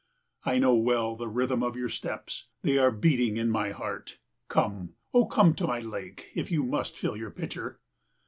I know well the rhythm of your steps, they are beating in my heart. Come, O come to my lake, if you must fill your pitcher.